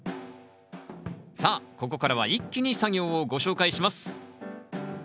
さあここからは一気に作業をご紹介します。